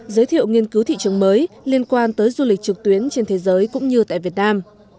giới thiệu nghiên cứu thị trường mới liên quan tới du lịch trực tuyến trên thế giới cũng như tại việt nam